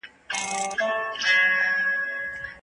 توت تر ټولو ښه مېوه ده چې په سهار کې خوړل کیږي.